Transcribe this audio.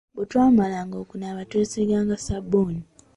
Bwe twamalanga okunaaba twesiiganga ssabbuuni.